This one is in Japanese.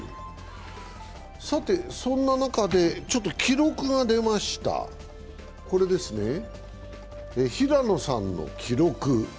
そんな中で、記録が出ました平野さんの記録。